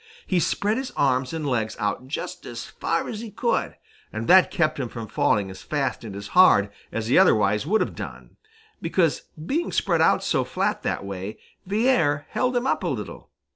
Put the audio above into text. He spread his arms and legs out just as far as he could, and that kept him from falling as fast and as hard as he otherwise would have done, because being spread out so flat that way, the air held him up a little.